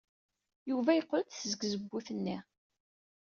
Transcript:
Yuba yeqqel-d seg tzewwut-nni.